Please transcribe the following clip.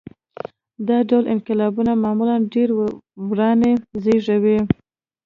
دا ډول انقلابونه معمولاً ډېرې ورانۍ زېږوي.